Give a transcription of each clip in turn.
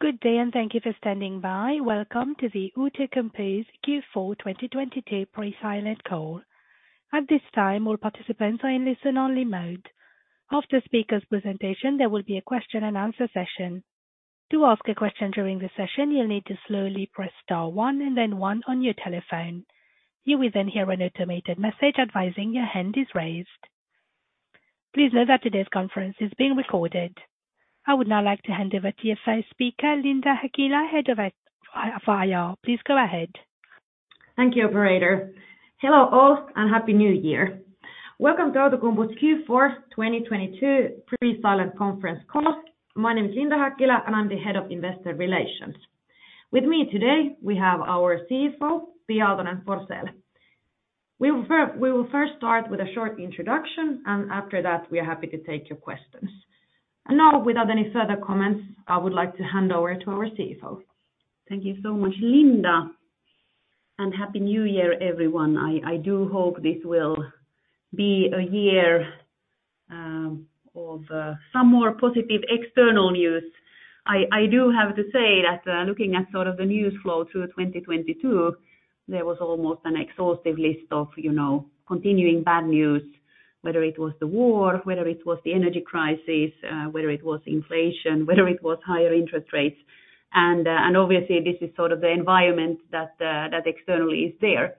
Good day and thank you for standing by. Welcome to the Outokumpu's Q4 2022 Pre-Silent Call. At this time, all participants are in listen-only mode. After speaker's presentation, there will be a question and answer session. To ask a question during the session, you'll need to slowly press star one and then one on your telephone. You will then hear an automated message advising your hand is raised. Please note that today's conference is being recorded. I would now like to hand over to your first speaker, Linda Häkkilä, Head of IR. Please go ahead. Thank you, operator. Hello all, and happy new year. Welcome to Outokumpu's Q4 2022 pre-silent conference call. My name is Linda Häkkilä, and I'm the Head of Investor Relations. With me today, we have our CFO, Pia Aaltonen-Forsell. We will first start with a short introduction, and after that, we are happy to take your questions. Now, without any further comments, I would like to hand over to our CFO. Thank you so much, Linda, and Happy New Year, everyone. I do hope this will be a year of some more positive external news. I do have to say that looking at sort of the news flow through 2022, there was almost an exhaustive list of, you know, continuing bad news, whether it was the war, whether it was the energy crisis, whether it was inflation, whether it was higher interest rates. Obviously this is sort of the environment that externally is there.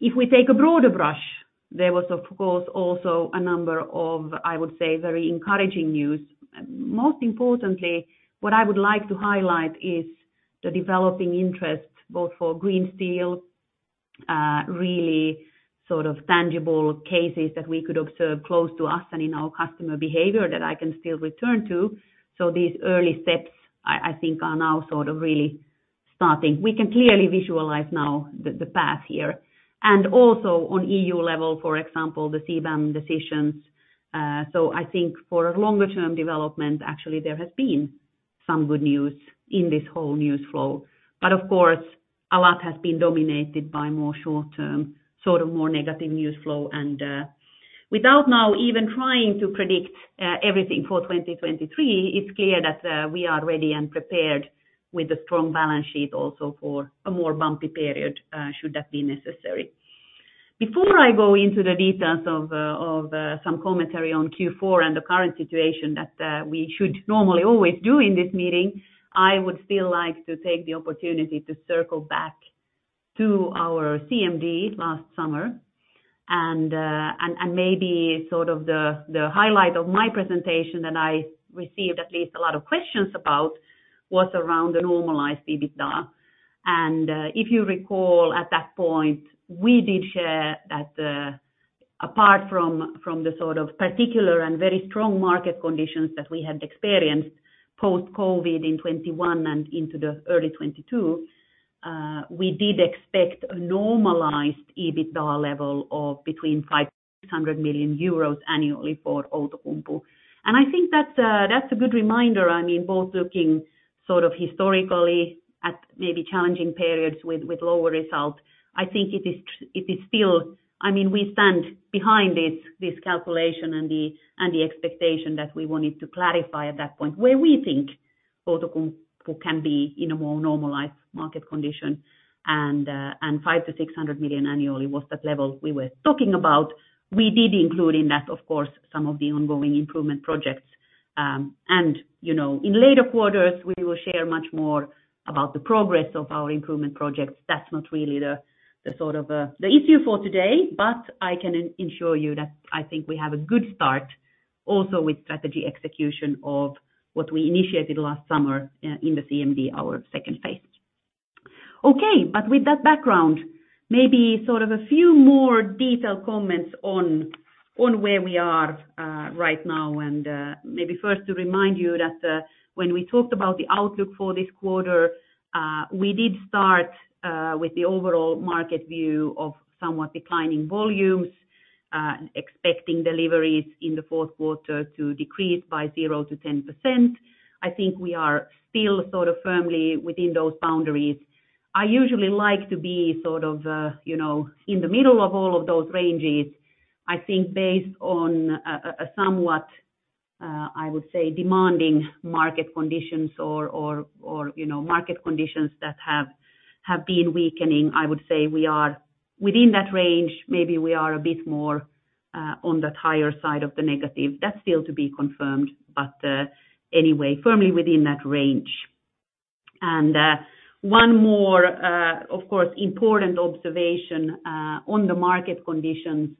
If we take a broader brush, there was of course also a number of, I would say, very encouraging news. Most importantly, what I would like to highlight is the developing interest both for green steel, really sort of tangible cases that we could observe close to us and in our customer behavior that I can still return to. These early steps I think are now sort of really starting. We can clearly visualize now the path here. Also on EU level, for example, the CBAM decisions. I think for a longer term development, actually there has been some good news in this whole news flow. Of course, a lot has been dominated by more short term, sort of more negative news flow. Without now even trying to predict everything for 2023, it's clear that we are ready and prepared with a strong balance sheet also for a more bumpy period, should that be necessary. Before I go into the details of, some commentary on Q4 and the current situation that we should normally always do in this meeting, I would still like to take the opportunity to circle back to our CMD last summer. Maybe sort of the highlight of my presentation that I received at least a lot of questions about was around the normalized EBITDA. If you recall at that point, we did share that apart from the sort of particular and very strong market conditions that we had experienced post-COVID in 2021 and into the early 2022, we did expect a normalized EBITDA level of between 500 million euros annually for Outokumpu. I think that's a good reminder. I mean, both looking sort of historically at maybe challenging periods with lower results. I think it is still, I mean, we stand behind this calculation and the expectation that we wanted to clarify at that point, where we think Outokumpu can be in a more normalized market condition. 500 million-600 million annually was that level we were talking about. We did include in that, of course, some of the ongoing improvement projects. You know, in later quarters, we will share much more about the progress of our improvement projects. That's not really the sort of, the issue for today, but I can ensure you that I think we have a good start also with strategy execution of what we initiated last summer in the CMD, our second phase. Okay. With that background, maybe sort of a few more detailed comments on where we are right now. Maybe first to remind you that when we talked about the outlook for this quarter, we did start with the overall market view of somewhat declining volumes, expecting deliveries in the fourth quarter to decrease by 0%-10%. I think we are still sort of firmly within those boundaries. I usually like to be sort of, you know, in the middle of all of those ranges. I think based on a somewhat, I would say, demanding market conditions or, or, you know, market conditions that have been weakening, I would say we are within that range. Maybe we are a bit more on that higher side of the negative. That's still to be confirmed, but anyway, firmly within that range. One more, of course, important observation on the market conditions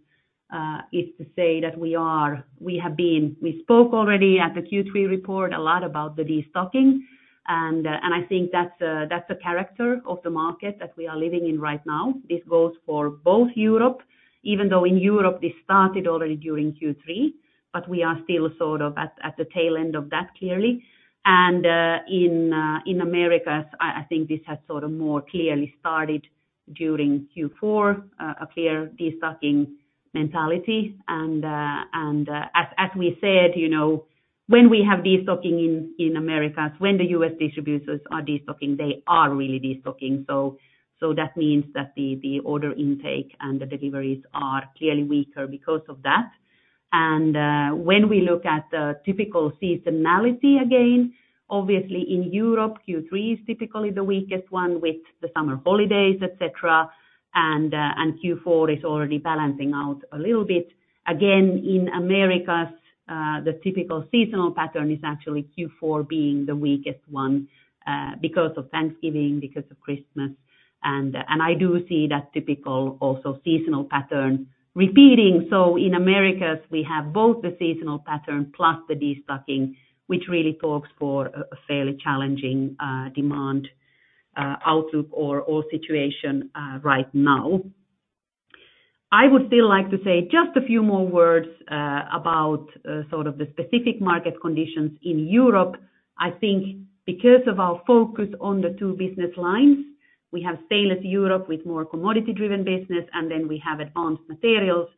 is to say that we spoke already at the Q3 report a lot about the destocking. I think that's the character of the market that we are living in right now. This goes for both Europe, even though in Europe this started already during Q3, but we are still sort of at the tail end of that clearly. In Americas, I think this has sort of more clearly started during Q4, a clear destocking mentality. As we said, you know, when we have destocking in Americas, when the U.S. distributors are destocking, they are really destocking. That means that the order intake and the deliveries are clearly weaker because of that. When we look at the typical seasonality again, obviously in Europe, Q3 is typically the weakest one with the summer holidays, et cetera, and Q4 is already balancing out a little bit. Again, in Americas, the typical seasonal pattern is actually Q4 being the weakest one, because of Thanksgiving, because of Christmas. I do see that typical also seasonal pattern repeating. In Americas, we have both the seasonal pattern plus the destocking, which really talks for a fairly challenging demand outlook or situation right now. I would still like to say just a few more words about sort of the specific market conditions in Europe. I think because of our focus on the two business lines, we have Stainless Europe with more commodity-driven business. Then we have Advanced Materials.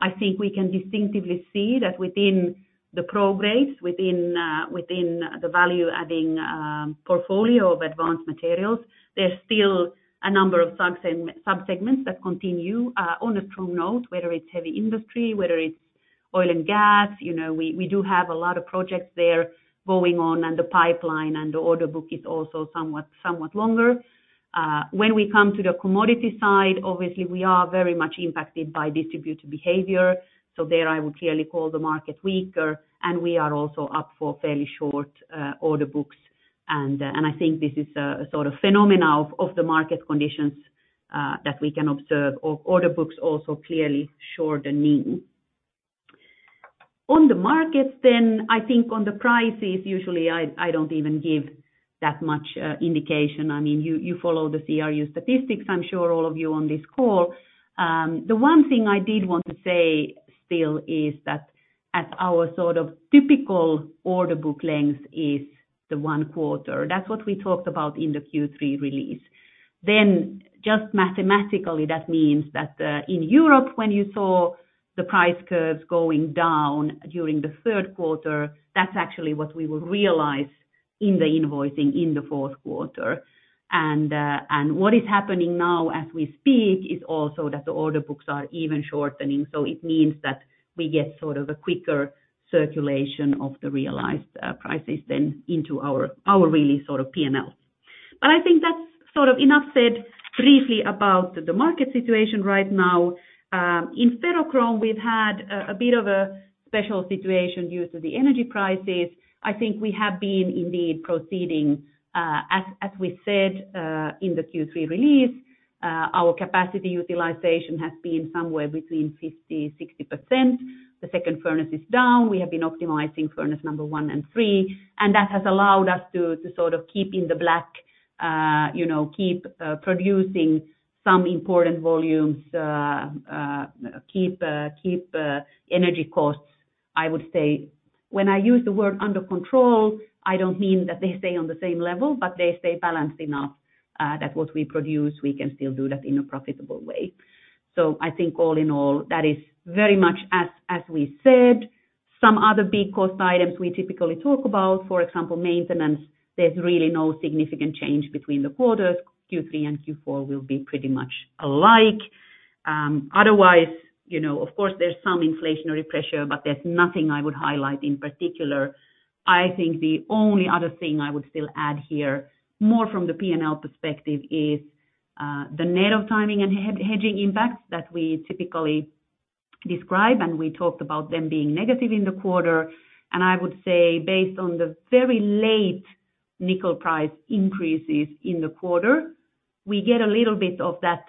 I think we can distinctively see that within the progress, within the value-adding portfolio of Advanced Materials, there's still a number of subsegments that continue on a true note, whether it's heavy industry, whether it's oil and gas. You know, we do have a lot of projects there going on, and the pipeline and the order book is also somewhat longer. When we come to the commodity side, obviously we are very much impacted by distributor behavior. There I would clearly call the market weaker, and we are also up for fairly short order books. I think this is a sort of phenomena of the market conditions that we can observe of order books also clearly shortening. I think on the prices, usually I don't even give that much indication. I mean, you follow the CRU statistics, I'm sure all of you on this call. The one thing I did want to say still is that as our sort of typical order book length is the one quarter, that's what we talked about in the Q3 release. Just mathematically, that means that in Europe, when you saw the price curves going down during the third quarter, that's actually what we will realize in the invoicing in the fourth quarter. What is happening now as we speak is also that the order books are even shortening. It means that we get sort of a quicker circulation of the realized prices then into our really sort of P&L. I think that's sort of enough said briefly about the market situation right now. In ferrochrome, we've had a bit of a special situation due to the energy prices. I think we have been indeed proceeding as we said in the Q3 release. Our capacity utilization has been somewhere between 50%-60%. The second furnace is down. We have been optimizing furnace number one and three, and that has allowed us to sort of keep in the black, you know, keep producing some important volumes, keep energy costs, I would say. When I use the word under control, I don't mean that they stay on the same level, but they stay balanced enough that what we produce, we can still do that in a profitable way. I think all in all, that is very much as we said. Some other big cost items we typically talk about, for example, maintenance, there's really no significant change between the quarters. Q3 and Q4 will be pretty much alike. Otherwise, you know, of course there's some inflationary pressure, but there's nothing I would highlight in particular. I think the only other thing I would still add here, more from the P&L perspective, is the net of timing and hedging impacts that we typically describe, and we talked about them being negative in the quarter. I would say based on the very late nickel price increases in the quarter, we get a little bit of that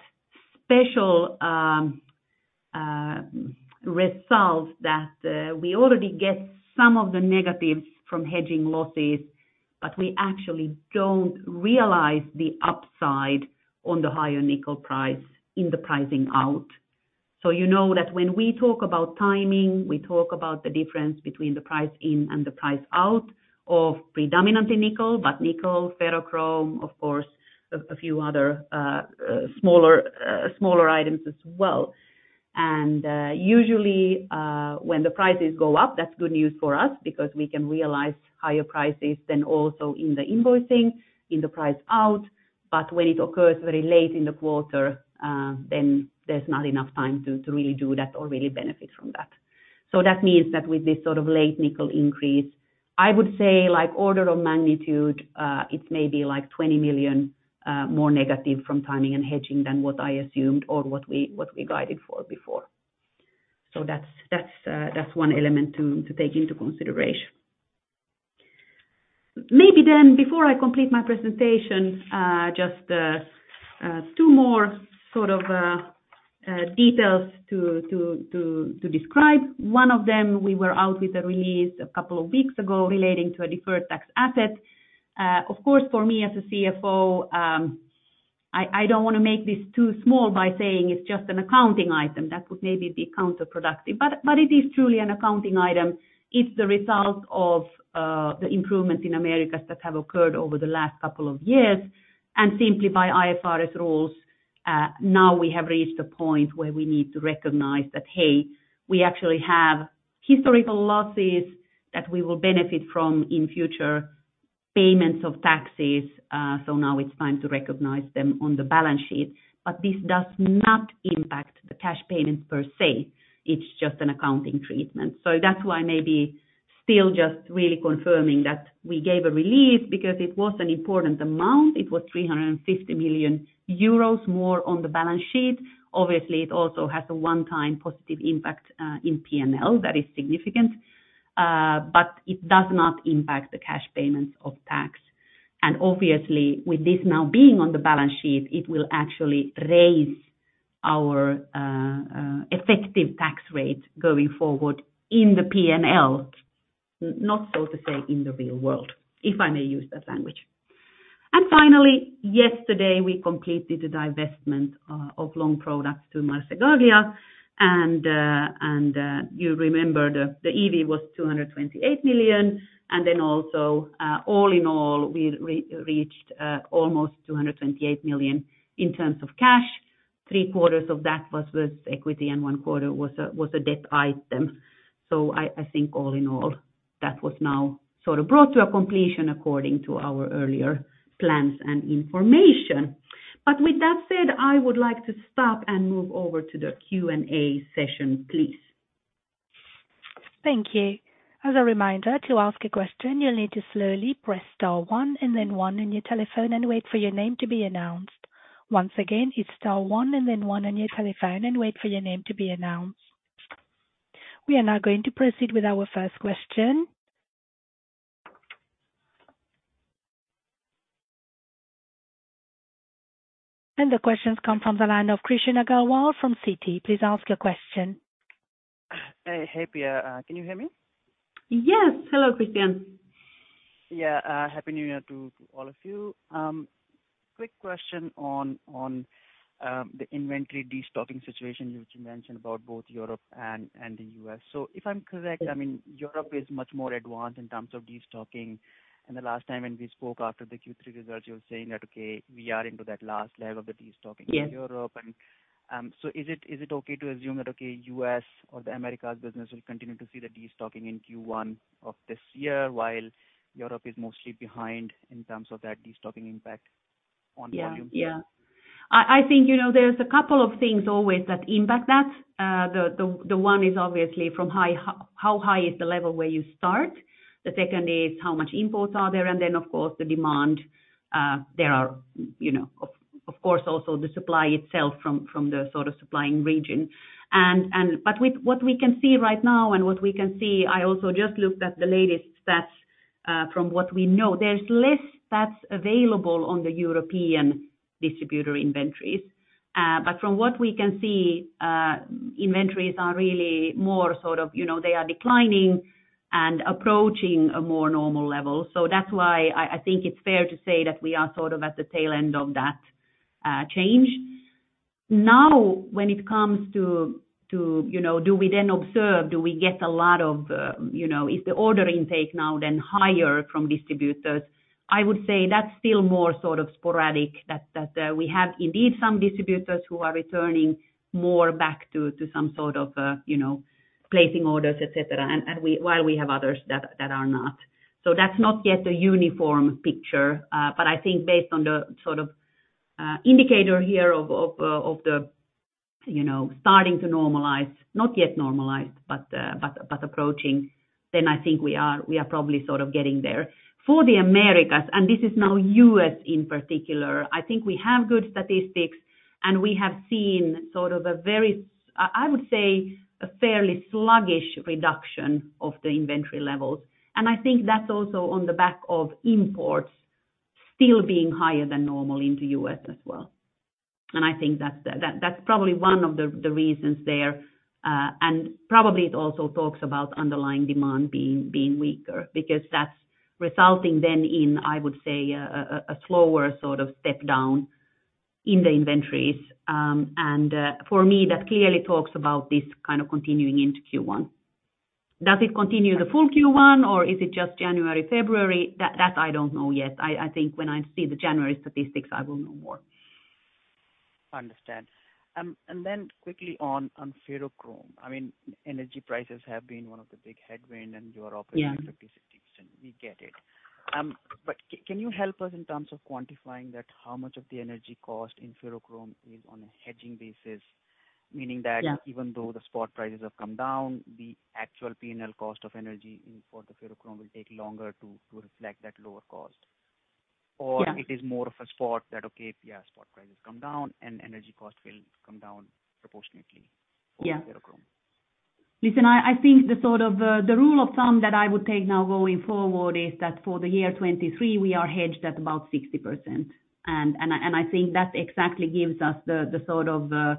special result that we already get some of the negatives from hedging losses, but we actually don't realize the upside on the higher nickel price in the pricing out. You know that when we talk about timing, we talk about the difference between the price in and the price out of predominantly nickel, but nickel, ferrochrome, of course, a few other smaller items as well. Usually, when the prices go up, that's good news for us because we can realize higher prices than also in the invoicing, in the price out. When it occurs very late in the quarter, then there's not enough time to really do that or really benefit from that. That means that with this sort of late nickel increase, I would say like order of magnitude, it's maybe like 20 million more negative from timing and hedging than what I assumed or what we guided for before. That's one element to take into consideration. Maybe before I complete my presentation, just two more sort of details to describe. One of them, we were out with a release a couple of weeks ago relating to a deferred tax asset. Of course, for me as a CFO, I don't wanna make this too small by saying it's just an accounting item. That would maybe be counterproductive. It is truly an accounting item. It's the result of the improvements in Americas that have occurred over the last couple of years. Simply by IFRS rules, now we have reached a point where we need to recognize that, hey, we actually have historical losses that we will benefit from in future payments of taxes. Now it's time to recognize them on the balance sheet. This does not impact the cash payments per se. It's just an accounting treatment. That's why maybe still just really confirming that we gave a relief because it was an important amount. It was 350 million euros more on the balance sheet. Obviously, it also has a one-time positive impact in P&L that is significant. It does not impact the cash payments of tax. Obviously, with this now being on the balance sheet, it will actually raise our effective tax rate going forward in the P&L, not so to say in the real world, if I may use that language. Finally, yesterday, we completed the divestment of Long Products to Marcegaglia. You remember the EV was 228 million, all in all, we reached almost 228 million in terms of cash. Three-quarters of that was with equity and one-quarter was a debt item. I think all in all, that was now sort of brought to a completion according to our earlier plans and information. With that said, I would like to stop and move over to the Q&A session, please. Thank you. As a reminder, to ask a question, you'll need to slowly press star one and then one on your telephone and wait for your name to be announced. Once again, it's star one and then one on your telephone and wait for your name to be announced. We are now going to proceed with our first question. The question's come from the line of Krishan Agarwal from Citi. Please ask your question. Hey, Pia. Can you hear me? Yes. Hello, Krishan. Yeah, happy New Year to all of you. Quick question on the inventory destocking situation, which you mentioned about both Europe and the U.S. If I'm correct, I mean, Europe is much more advanced in terms of destocking. The last time when we spoke after the Q3 results, you were saying that, okay, we are into that last leg of the destocking. Yes. -in Europe. Is it okay to assume that U.S. or the Americas business will continue to see the destocking in Q1 of this year, while Europe is mostly behind in terms of that destocking impact on volume? Yeah. Yeah. I think, you know, there's a couple of things always that impact that. The one is obviously from how high is the level where you start. The second is how much imports are there, then, of course, the demand. There are, you know, of course, also the supply itself from the sort of supplying region. But with what we can see right now and what we can see, I also just looked at the latest stats from what we know. There's less stats available on the European distributor inventories. From what we can see, inventories are really more sort of, you know, they are declining and approaching a more normal level. That's why I think it's fair to say that we are sort of at the tail end of that change. When it comes to, you know, do we then observe, do we get a lot of, you know, is the order intake now then higher from distributors? I would say that's still more sort of sporadic that we have indeed some distributors who are returning more back to some sort of, you know, placing orders, et cetera. While we have others that are not. That's not yet a uniform picture. But I think based on the sort of indicator here of the, you know, starting to normalize, not yet normalized, but approaching, then I think we are probably sort of getting there. For the Americas, this is now U.S. in particular, I think we have good statistics, we have seen sort of I would say, a fairly sluggish reduction of the inventory levels. I think that's also on the back of imports still being higher than normal into U.S. as well. I think that's probably one of the reasons there, and probably it also talks about underlying demand being weaker because that's resulting then in, I would say, a slower sort of step-down in the inventories. For me, that clearly talks about this kind of continuing into Q1. Does it continue the full Q1 or is it just January, February? That I don't know yet. I think when I see the January statistics, I will know more. Understand. Quickly on ferrochrome. I mean, energy prices have been one of the big headwind, and you are operating at 50%, 60%. We get it. Can you help us in terms of quantifying that how much of the energy cost in ferrochrome is on a hedging basis? Yeah. Meaning that even though the spot prices have come down, the actual P&L cost of energy for the ferrochrome will take longer to reflect that lower cost. Yeah. It is more of a spot that, okay, yeah, spot prices come down and energy cost will come down proportionately. Yeah. for the ferrochrome. Listen, I think the sort of the rule of thumb that I would take now going forward is that for the year 2023, we are hedged at about 60%. I think that exactly gives us the sort of the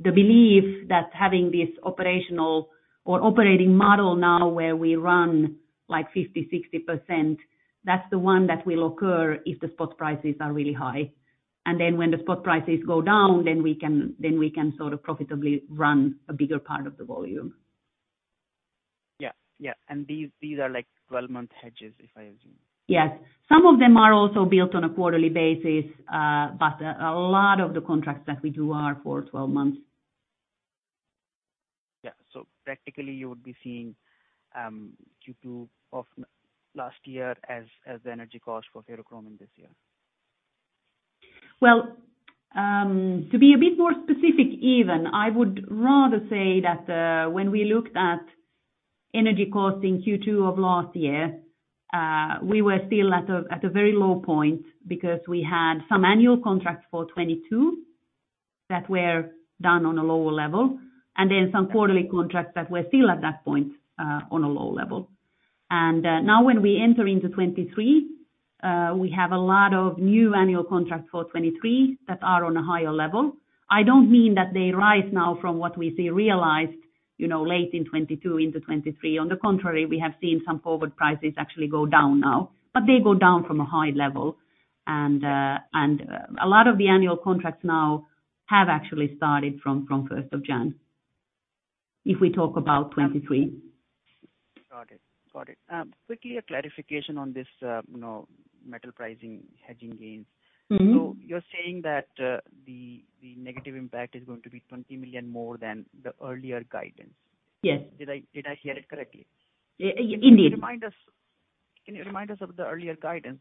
belief that having this operational or operating model now where we run like 50%, 60%, that's the one that will occur if the spot prices are really high. Then when the spot prices go down, then we can sort of profitably run a bigger part of the volume. Yeah. Yeah. these are like 12 month hedges, if I assume. Yes. Some of them are also built on a quarterly basis, but a lot of the contracts that we do are for 12 months. Practically, you would be seeing, Q2 of last year as the energy cost for ferrochrome in this year. To be a bit more specific even, I would rather say that, when we looked at energy costing Q2 of last year, we were still at a very low point because we had some annual contracts for 2022 that were done on a lower level, and then some quarterly contracts that were still at that point, on a low level. Now when we enter into 2023, we have a lot of new annual contracts for 2023 that are on a higher level. I don't mean that they rise now from what we see realized, you know, late in 2022 into 2023. On the contrary, we have seen some forward prices actually go down now, but they go down from a high level. A lot of the annual contracts now have actually started from first of January, if we talk about 2023. Got it. Got it. quickly a clarification on this, you know, metal pricing hedging gains. Mm-hmm. You're saying that the negative impact is going to be 20 million more than the earlier guidance? Yes. Did I hear it correctly? Yeah. Indeed. Can you remind us of the earlier guidance?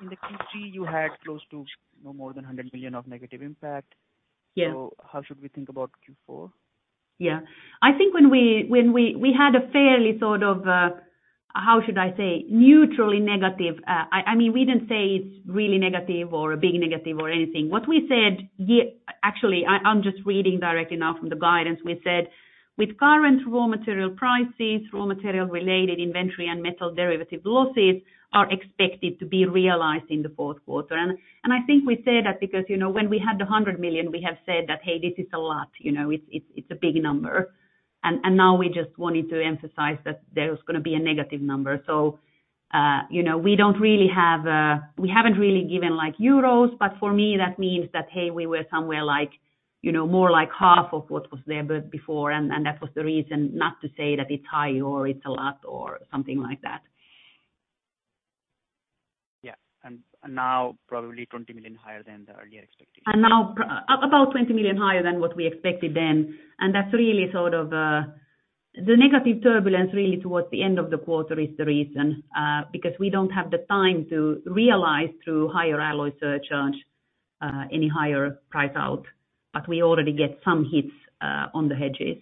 In the Q3 you had close to no more than 100 million of negative impact. Yeah. how should we think about Q4? Yeah. I think when we had a fairly sort of, how should I say, neutrally negative. I mean, we didn't say it's really negative or a big negative or anything. What we said actually, I'm just reading directly now from the guidance. We said, "With current raw material prices, raw material related inventory and metal derivative losses are expected to be realized in the fourth quarter." I think we said that because, you know, when we had the 100 million, we have said that, "Hey, this is a lot, you know, it's, it's a big number." Now we just wanted to emphasize that there was gonna be a negative number. you know, we don't really have a... We haven't really given like EUR, but for me that means that, hey, we were somewhere like, you know, more like half of what was there before, and that was the reason not to say that it's high or it's a lot or something like that. Yeah. Now probably 20 million higher than the earlier expectation. Now about 20 million higher than what we expected then. That's really sort of, the negative turbulence really towards the end of the quarter is the reason, because we don't have the time to realize through higher alloy surcharge, any higher price out. We already get some hits, on the hedges.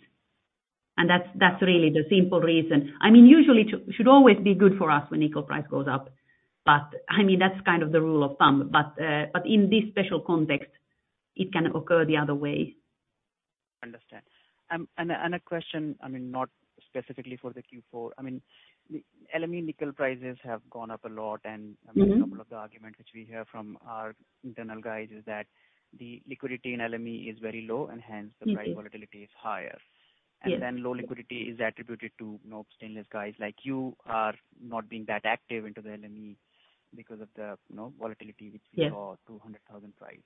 That's really the simple reason. I mean, usually it should always be good for us when nickel price goes up. I mean, that's kind of the rule of thumb. But in this special context, it can occur the other way. Understand. A question, I mean, not specifically for the Q4. I mean, LME nickel prices have gone up a lot. Mm-hmm. A couple of the arguments which we hear from our internal guys is that the liquidity in LME is very low, and hence. Mm-hmm. The price volatility is higher. Yes. low liquidity is attributed to, you know, stainless guys like you are not being that active into the LME because of the, you know, volatility which we saw. Yes. 200,000 price.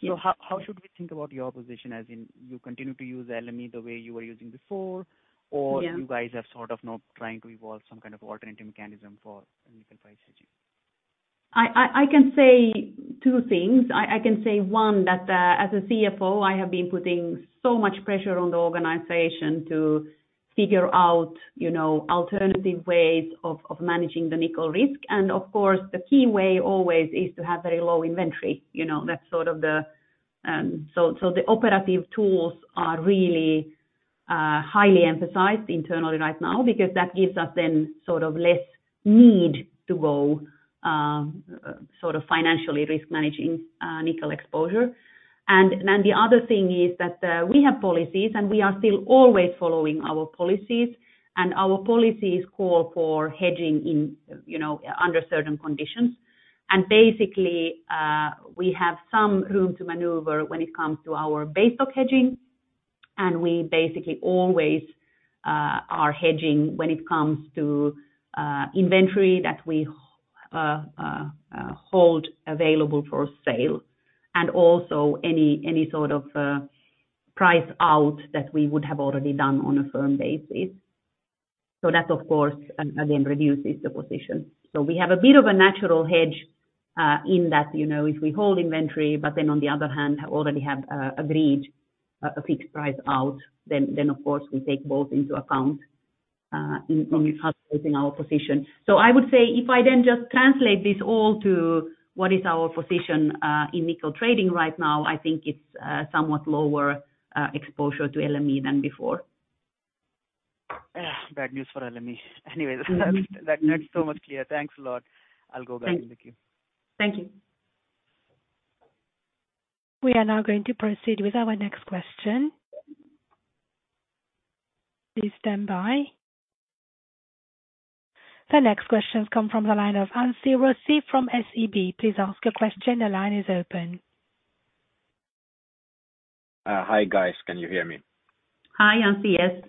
Yes. how should we think about your position as in you continue to use LME the way you were using before, or... Yeah. You guys are sort of now trying to evolve some kind of alternative mechanism for nickel price hedging. I can say two things. I can say, one, that as a CFO, I have been putting so much pressure on the organization to figure out, you know, alternative ways of managing the nickel risk. Of course, the key way always is to have very low inventory, you know, that's sort of the... The operative tools are really highly emphasized internally right now because that gives us then sort of less need to go sort of financially risk managing nickel exposure. The other thing is that we have policies, and we are still always following our policies, and our policies call for hedging in, you know, under certain conditions. Basically, we have some room to maneuver when it comes to our base of hedging, and we basically always are hedging when it comes to inventory that we hold available for sale, and also any sort of price out that we would have already done on a firm basis. That of course, again, reduces the position. We have a bit of a natural hedge in that, you know, if we hold inventory, but then on the other hand already have agreed a fixed price out, then of course we take both into account when we're calculating our position. I would say if I then just translate this all to what is our position in nickel trading right now, I think it's somewhat lower exposure to LME than before. Bad news for LME. Anyways, Mm-hmm. That's so much clear. Thanks a lot. I'll go back in the queue. Thank you. We are now going to proceed with our next question. Please stand by. The next question come from the line of Anssi Raussi from SEB. Please ask your question. The line is open. hi guys. Can you hear me? Hi, Anssi. Yes.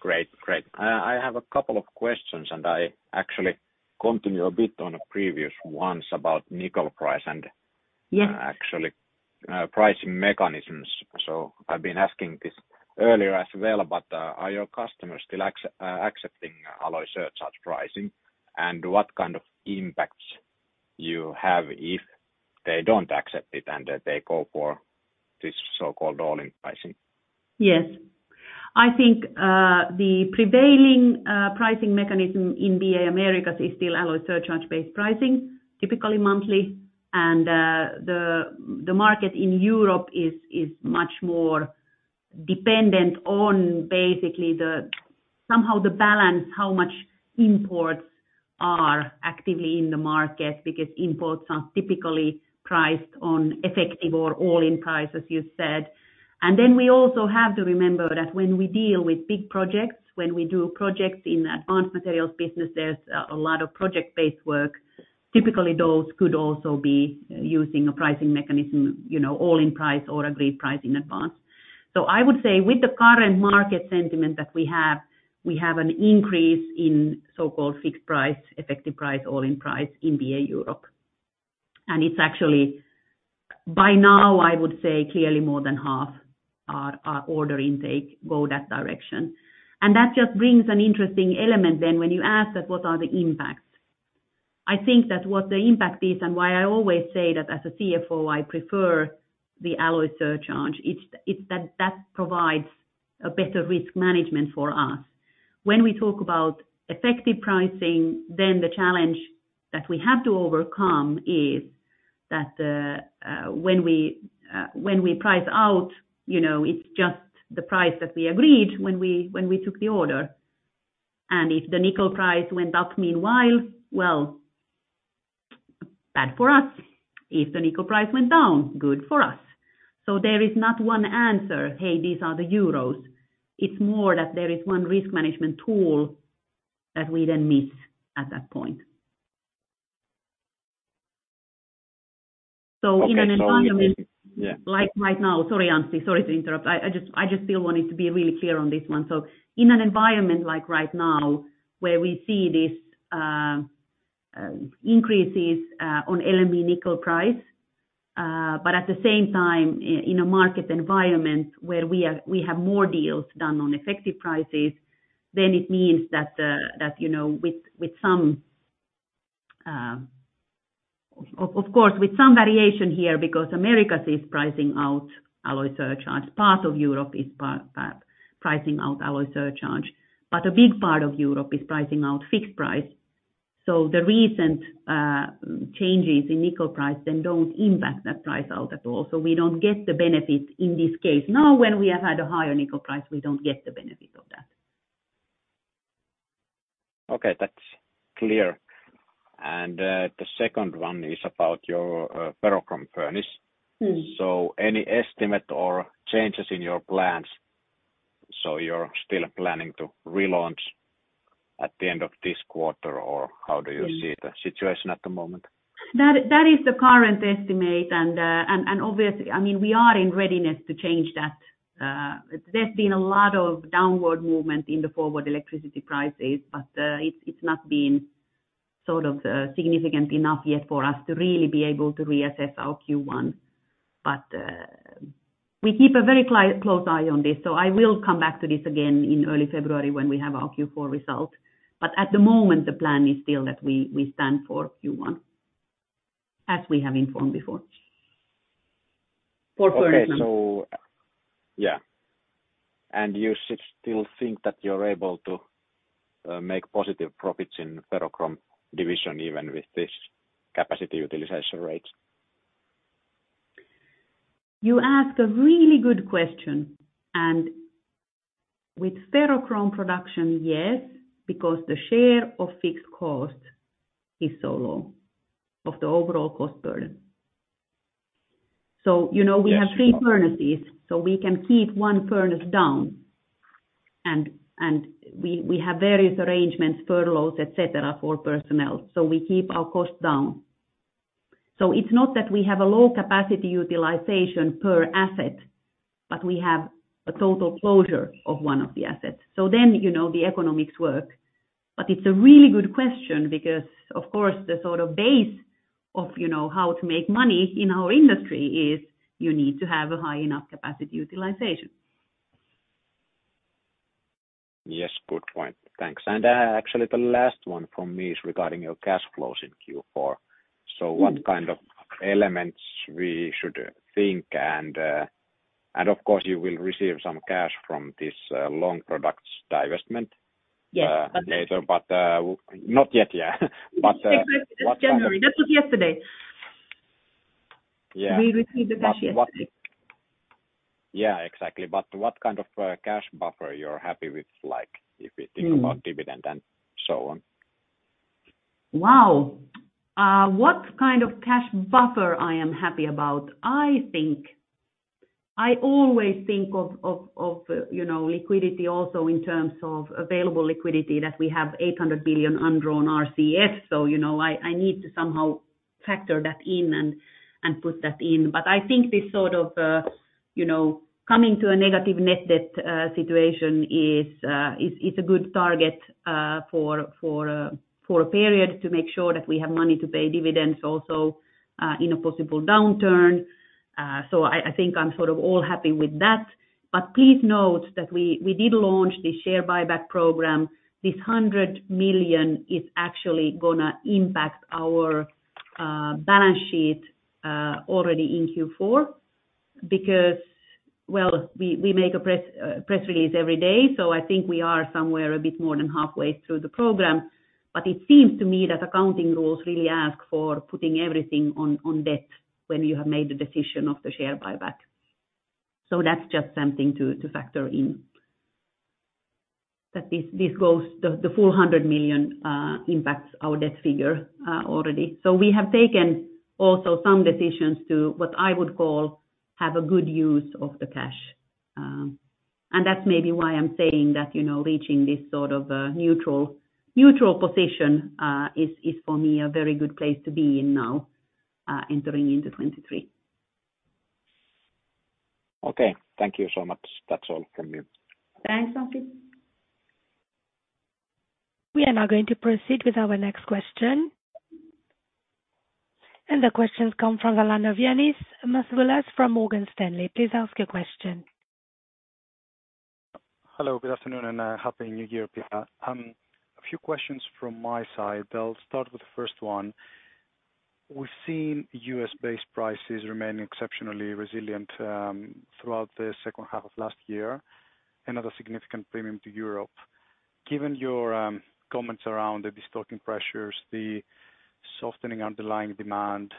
Great. Great. I have a couple of questions, and I actually continue a bit on the previous ones about nickel price. Yes. Actually, pricing mechanisms. I've been asking this earlier as well, but, are your customers still accepting alloy surcharge pricing? What kind of impacts you have if they don't accept it and they go for this so-called all-in pricing? Yes. I think, the prevailing, pricing mechanism in BA Americas is still alloy surcharge-based pricing, typically monthly. The market in Europe is much more dependent on basically somehow the balance, how much imports are actively in the market, because imports are typically priced on effective or all-in price, as you said. Then we also have to remember that when we deal with big projects, when we do projects in Advanced Materials business, there's a lot of project-based work. Typically, those could also be using a pricing mechanism, you know, all-in price or agreed price in advance. I would say with the current market sentiment that we have, we have an increase in so-called fixed price, effective price, all-in price in BA Europe. It's actually... By now, I would say clearly more than half our order intake go that direction. That just brings an interesting element then when you ask that what are the impacts. I think that what the impact is and why I always say that as a CFO, I prefer the alloy surcharge, it's that provides a better risk management for us. When we talk about effective pricing, then the challenge that we have to overcome is that when we price out, you know, it's just the price that we agreed when we took the order. If the nickel price went up meanwhile, well, bad for us. If the nickel price went down, good for us. There is not one answer, "Hey, these are the euros." It's more that there is one risk management tool that we then miss at that point. In an environment. Okay. You mean... Yeah. Like right now-- Sorry, Anssi. Sorry to interrupt. I just still wanted to be really clear on this one. In an environment like right now, where we see these increases on LME nickel price, but at the same time in a market environment where we have more deals done on effective prices, it means that, you know, with some, of course, with some variation here, because Americas is pricing out alloy surcharge. Part of Europe is pricing out alloy surcharge, but a big part of Europe is pricing out fixed price. The recent changes in nickel price don't impact that price out at all. We don't get the benefits in this case. Now, when we have had a higher nickel price, we don't get the benefit of that. Okay, that's clear. The second one is about your ferrochrome furnace. Mm-hmm. Any estimate or changes in your plans? You're still planning to relaunch at the end of this quarter, or how do you see the situation at the moment? That is the current estimate. Obviously, I mean, we are in readiness to change that. There's been a lot of downward movement in the forward electricity prices, but it's not been sort of significant enough yet for us to really be able to reassess our Q1. We keep a very close eye on this, so I will come back to this again in early February when we have our Q4 results. At the moment, the plan is still that we stand for Q1, as we have informed before. For furnace. Okay. Yeah. You still think that you're able to make positive profits in ferrochrome division, even with this capacity utilization rates? You ask a really good question. With ferrochrome production, yes, because the share of fixed cost is so low, of the overall cost burden. You know. Yes... we have three furnaces, so we can keep one furnace down. We have various arrangements, furloughs, et cetera, for personnel. We keep our costs down. It's not that we have a low capacity utilization per asset, but we have a total closure of one of the assets. You know, the economics work. It's a really good question because, of course, the sort of base of, you know, how to make money in our industry is you need to have a high enough capacity utilization. Yes. Good point. Thanks. Actually the last one from me is regarding your cash flows in Q4. Mm-hmm. What kind of elements we should think and of course, you will receive some cash from this, Long Products divestment... Yes later, but not yet, yeah. It was January. That was yesterday. Yeah. We received the cash yesterday. Yeah, exactly. What kind of cash buffer you're happy with, like if we think about? Mm-hmm... dividend and so on? Wow. What kind of cash buffer I am happy about? I think I always think of, you know, liquidity also in terms of available liquidity, that we have 800 billion undrawn RCF. You know, I need to somehow factor that in and put that in. I think this sort of, you know, coming to a negative net debt situation is a good target for a period to make sure that we have money to pay dividends also in a possible downturn. I think I'm sort of all happy with that. Please note that we did launch the share buyback program. This 100 million is actually going to impact our balance sheet already in Q4 because, well, we make a press release every day, so I think we are somewhere a bit more than halfway through the program. It seems to me that accounting rules really ask for putting everything on debt when you have made the decision of the share buyback. That's just something to factor in. That this goes the 400 million impacts our debt figure already. We have taken also some decisions to, what I would call, have a good use of the cash. That's maybe why I'm saying that, you know, reaching this sort of neutral position is for me a very good place to be in now, entering into 2023. Okay, thank you so much. That's all from me. Thanks, Anssi. We are now going to proceed with our next question. The question comes from Ioannis Masvoulas from Morgan Stanley. Please ask your question. Hello. Good afternoon, Happy New Year, Pia. A few questions from my side. I'll start with the first one. We've seen U.S.-based prices remain exceptionally resilient throughout the second half of last year, another significant premium to Europe. Given your comments around the destocking pressures, the softening underlying demand,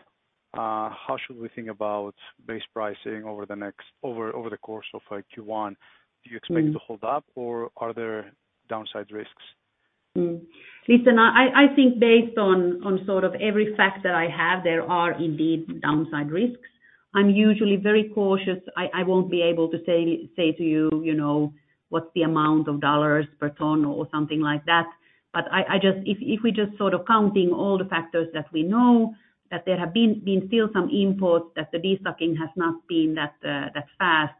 how should we think about base pricing over the course of Q1? Do you expect to hold up, or are there downside risks? Listen, I think based on sort of every fact that I have, there are indeed downside risks. I'm usually very cautious. I won't be able to say to you know, what's the amount of dollars per ton or something like that. I just If we just sort of counting all the factors that we know, that there have been still some imports, that the destocking has not been that fast.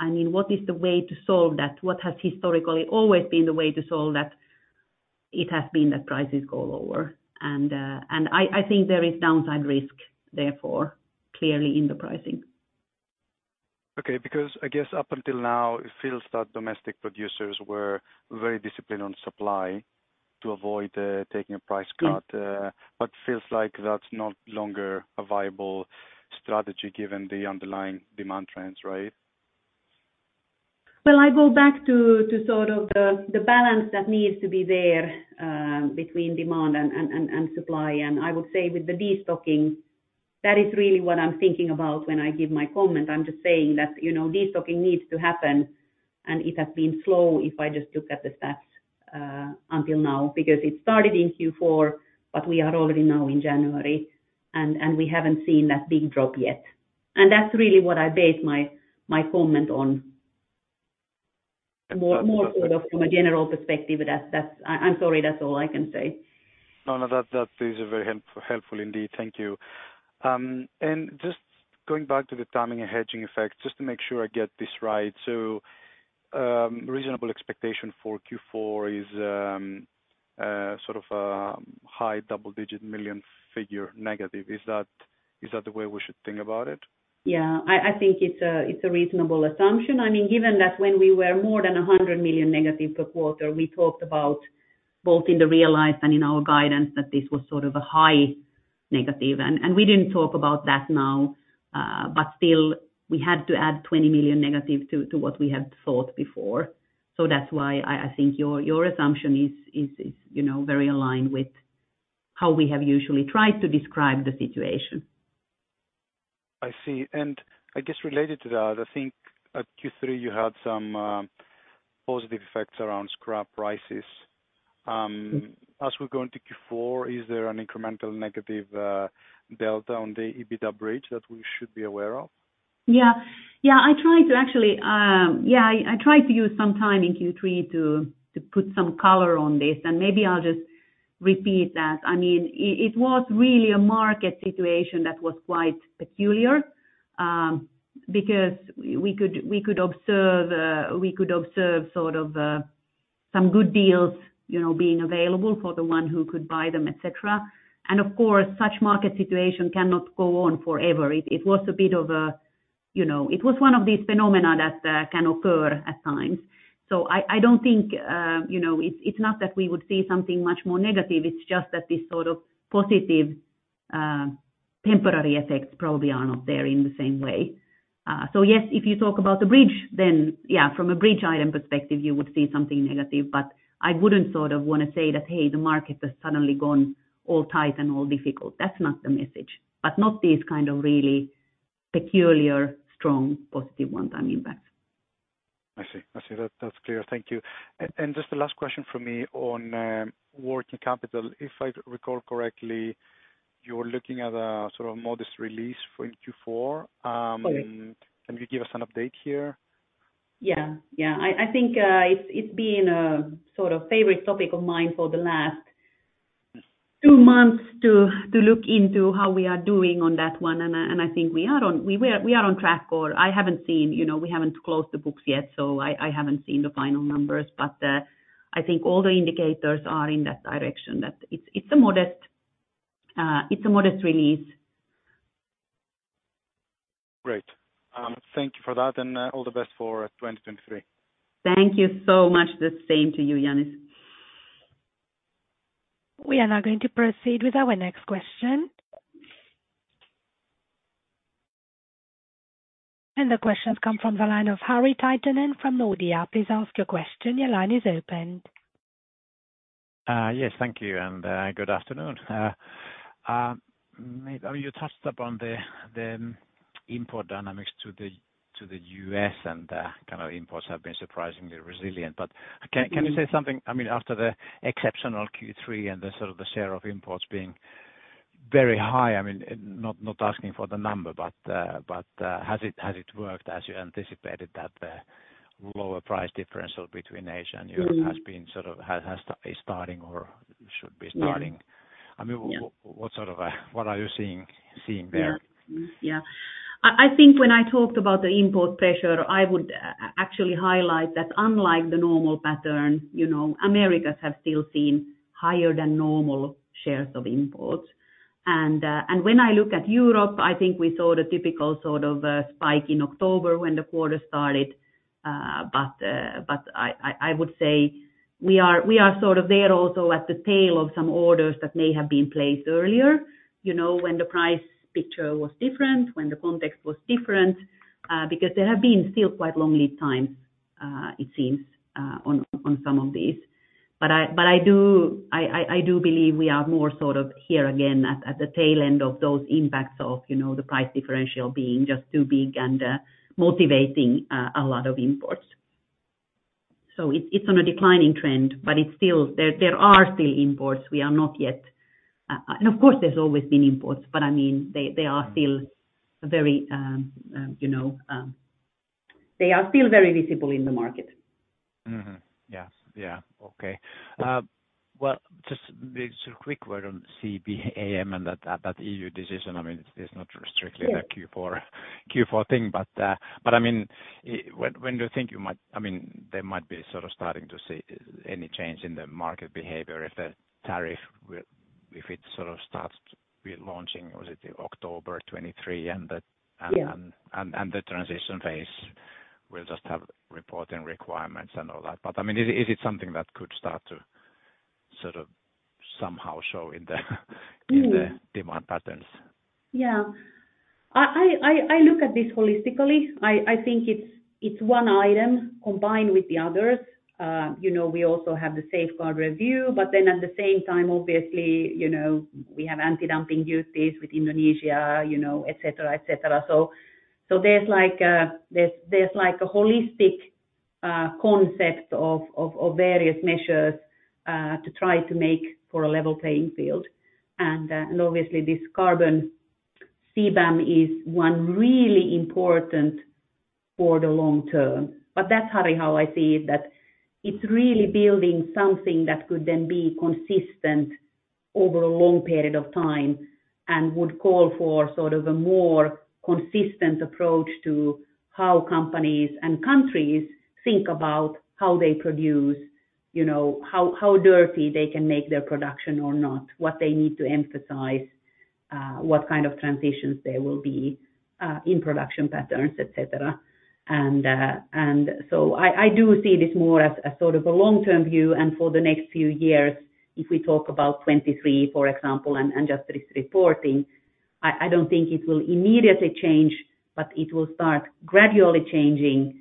I mean, what is the way to solve that? What has historically always been the way to solve that? It has been that prices go lower. I think there is downside risk, therefore, clearly in the pricing. Okay. I guess up until now, it feels that domestic producers were very disciplined on supply to avoid taking a price cut. Mm. Feels like that's no longer a viable strategy given the underlying demand trends, right? Well, I go back to sort of the balance that needs to be there between demand and supply. I would say with the destocking, that is really what I'm thinking about when I give my comment. I'm just saying that, you know, destocking needs to happen, and it has been slow if I just look at the stats until now. It started in Q4, but we are already now in January, and we haven't seen that big drop yet. That's really what I base my comment on. More sort of from a general perspective, that's. I'm sorry, that's all I can say. No, that is very helpful indeed. Thank you. Just going back to the timing and hedging effect, just to make sure I get this right. Reasonable expectation for Q4 is sort of a high double-digit million figure negative. Is that the way we should think about it? Yeah. I think it's a reasonable assumption. I mean, given that when we were more than 100 million negative per quarter, we talked about both in the real life and in our guidance that this was sort of a high negative. And we didn't talk about that now, but still we had to add 20 million negative to what we had thought before. That's why I think your assumption is, you know, very aligned with how we have usually tried to describe the situation. I see. I guess related to that, I think at Q3 you had some positive effects around scrap prices. As we go into Q4, is there an incremental negative delta on the EBITDA bridge that we should be aware of? Yeah, I tried to actually use some time in Q3 to put some color on this, and maybe I'll just repeat that. I mean, it was really a market situation that was quite peculiar because we could observe sort of some good deals, you know, being available for the one who could buy them, et cetera. Of course, such market situation cannot go on forever. It was a bit of a, you know... It was one of these phenomena that can occur at times. I don't think, you know... It's not that we would see something much more negative, it's just that this sort of positive temporary effects probably are not there in the same way. Yes, if you talk about the bridge, yeah, from a bridge item perspective, you would see something negative. I wouldn't sort of wanna say that, "Hey, the market has suddenly gone all tight and all difficult." That's not the message. Not these kind of really peculiar, strong, positive one-time impacts. I see. I see. That's clear. Thank you. Just the last question from me on working capital. If I recall correctly, you're looking at a sort of modest release for Q4. Right. Can you give us an update here? Yeah. Yeah. I think it's been a sort of favorite topic of mine for the last two months to look into how we are doing on that one. I think we are on track, or I haven't seen, you know, we haven't closed the books yet, so I haven't seen the final numbers. I think all the indicators are in that direction, that it's a modest, it's a modest release Great. Thank you for that and, all the best for 2023. Thank you so much. The same to you, Ioannis. We are now going to proceed with our next question. The question come from the line of Joni Sandvall from Nordea. Please ask your question. Your line is opened. Yes, thank you, good afternoon. You touched upon the import dynamics to the U.S. and kind of imports have been surprisingly resilient. Mm-hmm. Can you say something, I mean, after the exceptional Q3 and the sort of the share of imports being very high, I mean, not asking for the number, but has it worked as you anticipated that the lower price differential between Asia and Europe? Mm-hmm... has been sort of has starting or should be starting? Yeah. I mean.... what sort of, what are you seeing there? Yeah. Yeah. I think when I talked about the import pressure, I would actually highlight that unlike the normal pattern, you know, Americas have still seen higher than normal shares of imports. When I look at Europe, I think we saw the typical sort of spike in October when the quarter started. I would say we are sort of there also at the tail of some orders that may have been placed earlier, you know, when the price picture was different, when the context was different, because there have been still quite long lead times, it seems, on some of these. I do believe we are more sort of here again at the tail end of those impacts of, you know, the price differential being just too big and motivating a lot of imports. It's on a declining trend, but it's still there are still imports. We are not yet. Of course there's always been imports, but I mean, they are still very, you know, they are still very visible in the market. Yes. Yeah. Okay. Well, just a quick word on CBAM and that EU decision. I mean, it's not strictly- Yeah... the Q4 thing, but I mean, when do you think you might, I mean, there might be sort of starting to see any change in the market behavior if the tariff if it sort of starts relaunching, was it in October 2023 and the? Yeah... and the transition phase will just have reporting requirements and all that. I mean, is it something that could start to sort of somehow show in the, Mm. In the demand patterns? Yeah. I look at this holistically. I think it's one item combined with the others. You know, we also have the safeguard review. At the same time, obviously, you know, we have anti-dumping duties with Indonesia, you know, et cetera, et cetera. There's like a holistic concept of various measures to try to make for a level playing field. Obviously this carbon CBAM is one really important for the long term. That's, Joni how I see it, that it's really building something that could then be consistent over a long period of time and would call for sort of a more consistent approach to how companies and countries think about how they produce, you know, how dirty they can make their production or not, what they need to emphasize, what kind of transitions there will be in production patterns, et cetera. I do see this more as a sort of a long-term view and for the next few years, if we talk about 2023, for example, and just this reporting, I don't think it will immediately change, but it will start gradually changing.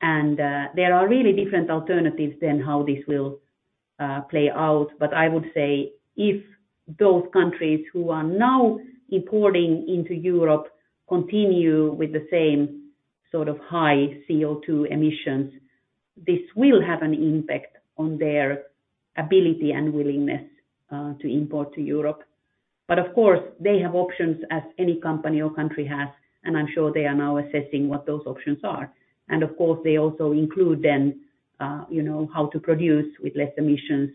There are really different alternatives than how this will play out. I would say if those countries who are now importing into Europe continue with the same sort of high CO2 emissions, this will have an impact on their ability and willingness to import to Europe. Of course, they have options as any company or country has, and I'm sure they are now assessing what those options are. Of course, they also include then, you know, how to produce with less emissions.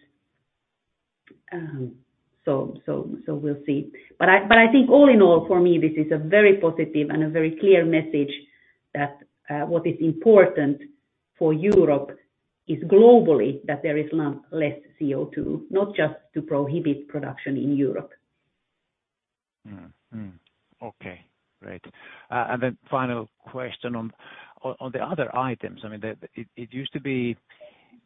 So we'll see. I think all in all, for me, this is a very positive and a very clear message that what is important for Europe is globally that there is less CO2, not just to prohibit production in Europe. Okay. Great. Then final question on the other items. I mean, it used to be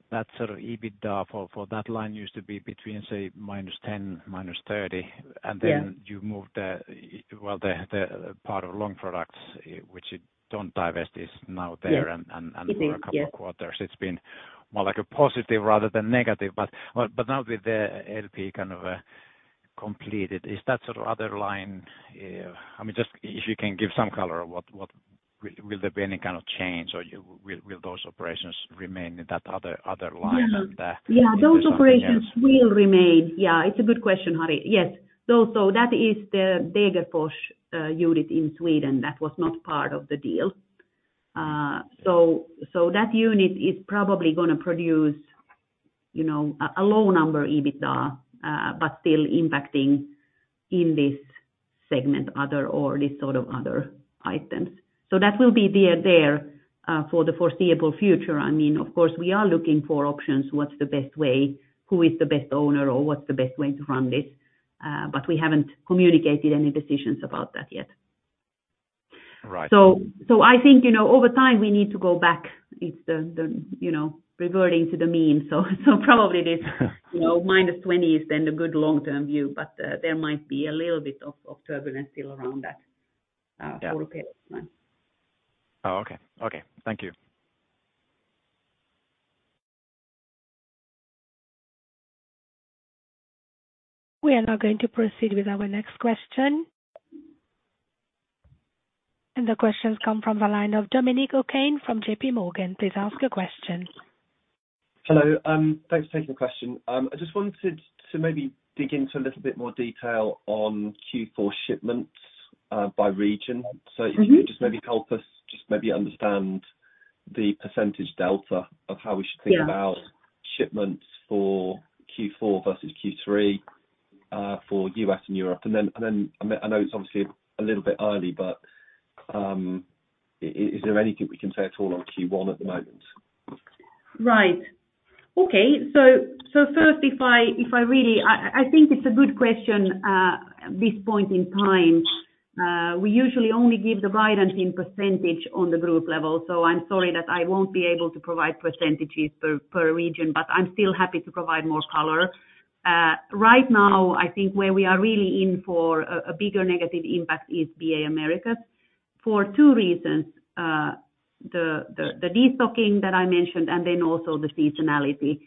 that sort of EBITDA for that line used to be between, say, -10 - -30. Yeah. You moved, well, the part of Long Products, which you don't divest is now. Yeah... and, and, and- It is, yeah. for a couple of quarters, it's been more like a positive rather than negative. Now with the LP kind of completed, is that sort of other line, I mean, just if you can give some color, what will there be any kind of change, or will those operations remain in that other line? Yeah and, Yeah do something else? Those operations will remain. It's a good question, Joni. Yes. Those, so that is the Degerfors unit in Sweden that was not part of the deal. So that unit is probably gonna produce, you know, a low number EBITDA, but still impacting in this segment, other or this sort of other items. That will be there for the foreseeable future, I mean, of course, we are looking for options. What's the best way? Who is the best owner, or what's the best way to run this? We haven't communicated any decisions about that yet. Right. I think, you know, over time we need to go back. It's the, you know, reverting to the mean. probably, you know, -20 is then the good long-term view, but there might be a little bit of turbulence still around that. Yeah. for a period of time. Oh, okay. Okay. Thank you. We are now going to proceed with our next question. The question's come from the line of Dominic O'Kane from JPMorgan. Please ask your question. Hello. Thanks for taking the question. I just wanted to maybe dig into a little bit more detail on Q4 shipments, by region. Mm-hmm. If you could just maybe help us understand the percentage delta of how we should think about. Yeah. Shipments for Q4 versus Q3, for U.S. and Europe. Then, I know it's obviously a little bit early, but, is there anything we can say at all on Q1 at the moment? Right. Okay. First, if I really... I think it's a good question at this point in time. We usually only give the guidance in percentage on the group level. I'm sorry that I won't be able to provide percentages per region, but I'm still happy to provide more color. Right now, I think where we are really in for a bigger negative impact is BA Americas for two reasons. The destocking that I mentioned and then also the seasonality.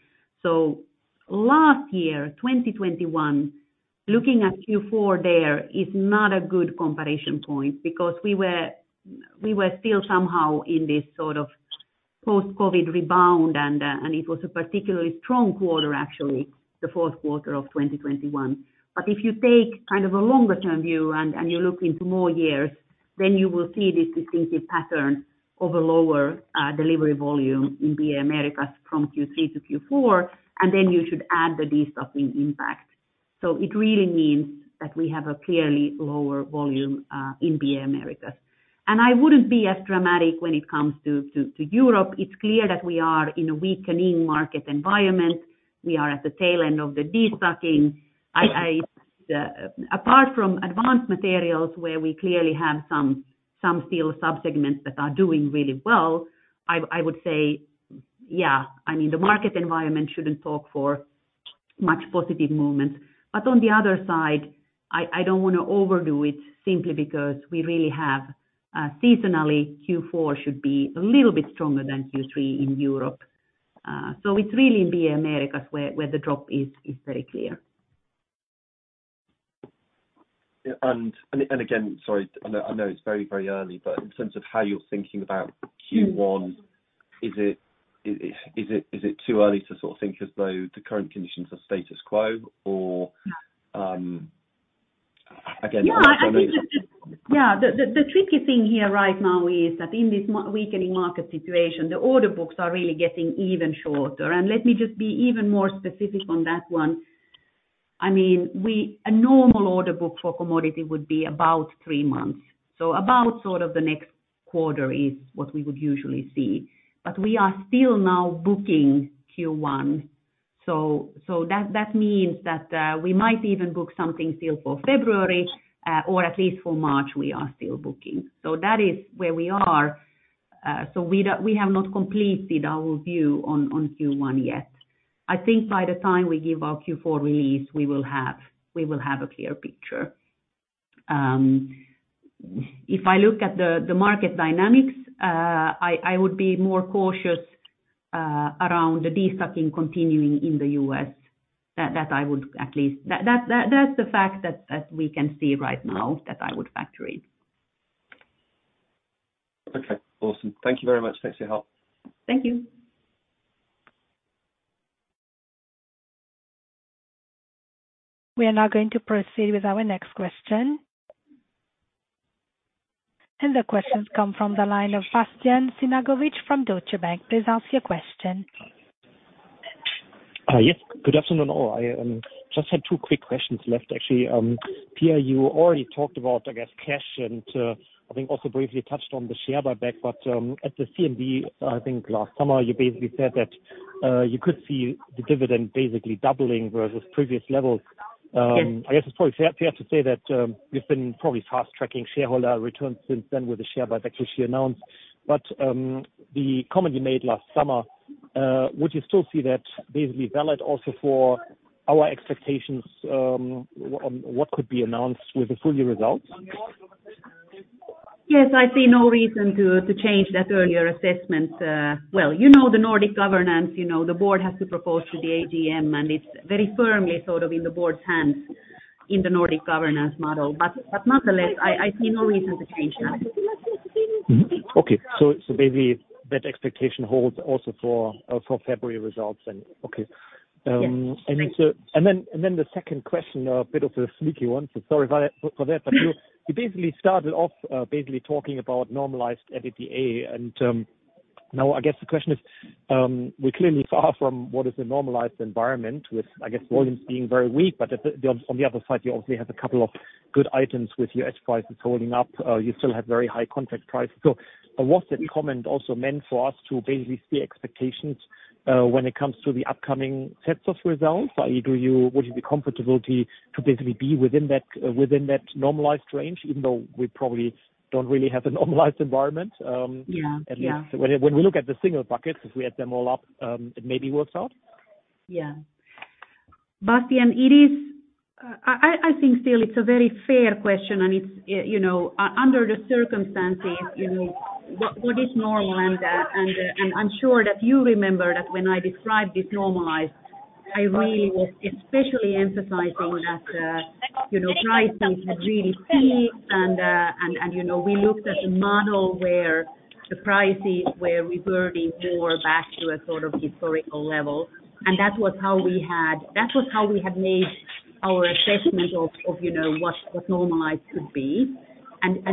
Last year, 2021, looking at Q4 there is not a good comparison point because we were still somehow in this sort of post-COVID rebound and it was a particularly strong quarter, actually, the fourth quarter of 2021. If you take kind of a longer term view and you look into more years, you will see this distinctive pattern of a lower delivery volume in BA Americas from Q3 to Q4, and you should add the destocking impact. It really means that we have a clearly lower volume in BA Americas. I wouldn't be as dramatic when it comes to Europe. It's clear that we are in a weakening market environment. We are at the tail end of the destocking. Apart from Advanced Materials, where we clearly have some steel subsegments that are doing really well, I would say, yeah, I mean, the market environment shouldn't talk for much positive movement. On the other side, I don't wanna overdo it simply because we really have seasonally Q4 should be a little bit stronger than Q3 in Europe. It's really in BA Americas where the drop is very clear. Yeah. Again, sorry, I know it's very early, but in terms of how you're thinking about Q1- Mm. Is it too early to sort of think as though the current conditions are status quo or? Yeah. I think I know it's. Yeah. The, the tricky thing here right now is that in this weakening market situation, the order books are really getting even shorter. Let me just be even more specific on that one. I mean, a normal order book for commodity would be about three months, so about sort of the next quarter is what we would usually see. We are still now booking Q1. That means that we might even book something still for February, or at least for March, we are still booking. That is where we are. We have not completed our view on Q1 yet. I think by the time we give our Q4 release, we will have a clear picture. If I look at the market dynamics, I would be more cautious around the destocking continuing in the U.S. That's the fact that we can see right now. Right. that I would factor in. Okay. Awesome. Thank you very much. Thanks for your help. Thank you. We are now going to proceed with our next question. The question's come from the line of Bastian Synagowitz from Deutsche Bank. Please ask your question. Yes. Good afternoon, all. I just had two quick questions left, actually. Pia, you already talked about, I guess, cash and I think also briefly touched on the share buyback. At the CMD, I think last summer, you basically said that you could see the dividend basically doubling versus previous levels. Yes. I guess it's probably fair to say that, you've been probably fast-tracking shareholder returns since then with the share buyback that you announced. The comment you made last summer, would you still see that basically valid also for our expectations, on what could be announced with the full year results? Yes, I see no reason to change that earlier assessment. Well, you know the Nordic governance. You know the board has to propose to the AGM, it's very firmly sort of in the board's hands in the Nordic governance model. Nonetheless, I see no reason to change that. Mm-hmm. Okay. Maybe that expectation holds also for February results. Okay. Yes. The second question, a bit of a sneaky one, so sorry about it, for that. You basically started off basically talking about normalized EBITDA. Now I guess the question is, we're clearly far from what is a normalized environment with, I guess, volumes being very weak. On the other side, you obviously have a couple of good items with your edge prices holding up. You still have very high contract prices. What's the comment also meant for us to basically see expectations when it comes to the upcoming sets of results? Would you be comfortable to basically be within that within that normalized range even though we probably don't really have a normalized environment? Yeah. Yeah. At least when we look at the single buckets, if we add them all up, it maybe works out. Yeah. Bastian, it is. I think still it's a very fair question and it's, you know, under the circumstances, you know, what is normal? I'm sure that you remember that when I described this normalized, I really was especially emphasizing that, you know, prices had really peaked. You know, we looked at a model where the prices were reverting more back to a sort of historical level. That was how we had made our assessment of, you know, what normalized could be.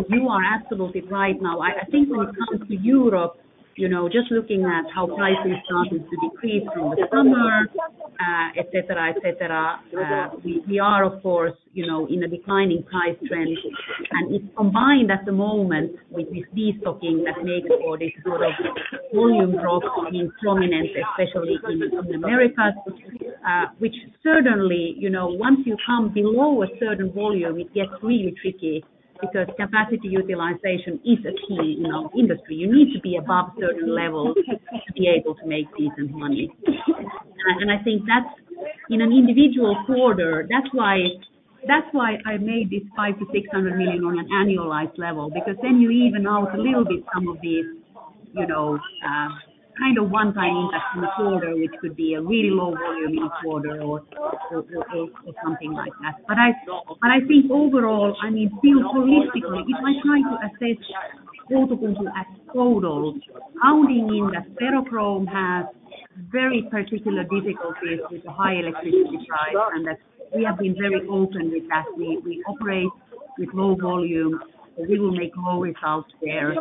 You are absolutely right. Now, I think when it comes to Europe, you know, just looking at how prices started to decrease through the summer, et cetera, we are of course, you know, in a declining price trend. It's combined at the moment with this destocking that makes all this sort of volume drop being prominent, especially in Americas, which certainly, you know, once you come below a certain volume, it gets really tricky because capacity utilization is a key in our industry. You need to be above certain levels to be able to make decent money. And I think that's in an individual quarter, that's why I made this 500 million-600 million on an annualized level, because then you even out a little bit some of these, you know, kind of one time impact in the quarter, which could be a really low volume in the quarter or something like that. I think overall, I mean still holistically, if I try to assess Outokumpu as total, outing in that ferrochrome has very particular difficulties with the high electricity price, and that we have been very open with that. We operate with low volumes. We will make low results there.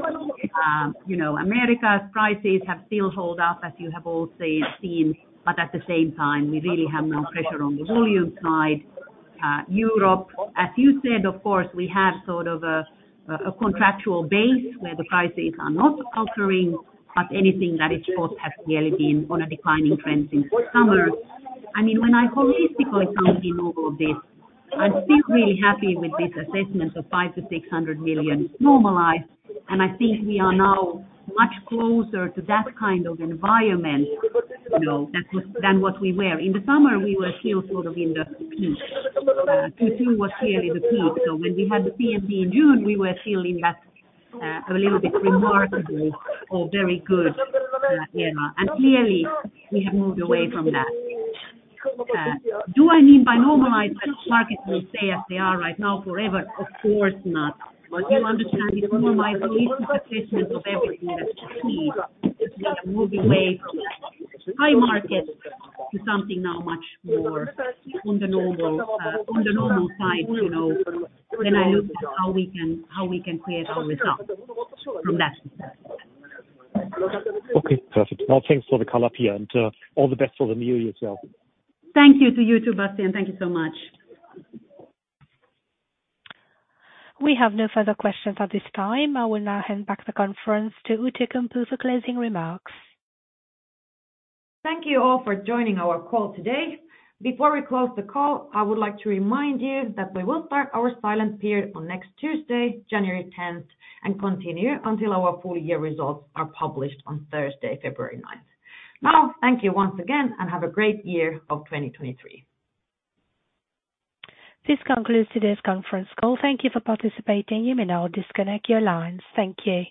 You know, Americas prices have still hold up, as you have all seen, at the same time we really have more pressure on the volume side. Europe, as you said, of course, we have sort of a contractual base where the prices are not altering, anything that is spot has really been on a declining trend since summer. I mean, when I holistically sum it in all of this, I'm still really happy with this assessment of 500 million-600 million normalized, and I think we are now much closer to that kind of environment, you know, than what we were. In the summer, we were still sort of in the peak. Q2 was clearly the peak. When we had the PMP in June, we were still in that, a little bit remarkable or very good, area. Clearly we have moved away from that. Do I mean by normalized that the markets will stay as they are right now forever? Of course not. You understand this normalized holistic assessment of everything that we see, you know, moving away from high markets to something now much more on the normal, on the normal side, you know, then I look at how we can create our results from that. Okay, perfect. Well, thanks for the call up here and all the best for the new year to you. Thank you to you too, Bastian. Thank you so much. We have no further questions at this time. I will now hand back the conference to Outokumpu for closing remarks. Thank you all for joining our call today. Before we close the call, I would like to remind you that we will start our silent period on next Tuesday, January 10th, and continue until our full year results are published on Thursday, February 9th. Thank you once again and have a great year of 2023. This concludes today's conference call. Thank you for participating. You may now disconnect your lines. Thank you.